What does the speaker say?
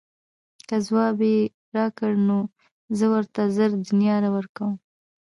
که ځواب یې راکړ نو زه ورته زر دیناره ورکووم.